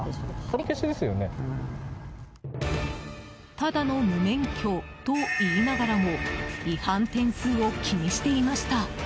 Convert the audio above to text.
ただの無免許といいながらも違反点数を気にしていました。